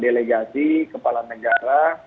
delegasi kepala negara